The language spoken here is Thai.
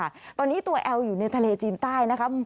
ตัวแอลค่ะตอนนี้ตัวแอลอยู่ในทะเลจีนใต้นะครับ